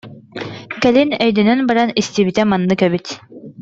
Кэлин өйдөнөн баран истибитэ маннык эбит